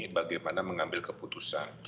bagaimana mengambil keputusan